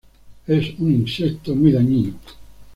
Es un insecto muy dañino.